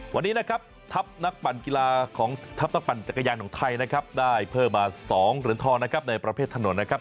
วันนี้นะครับทัพนักปั่นกีฬาของทัพนักปั่นจักรยานของไทยนะครับได้เพิ่มมา๒เหรียญทองนะครับในประเภทถนนนะครับ